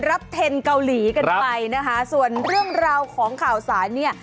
เทนเกาหลีกันไปนะคะส่วนเรื่องราวของข่าวสารเนี่ย